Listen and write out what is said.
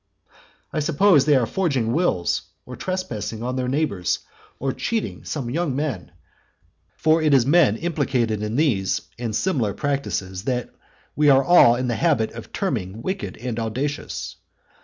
I suppose they are forging wills, or trespassing on their neighbours, or cheating some young men; for it is men implicated in these and similar practices that we are in the habit of terming wicked and audacious.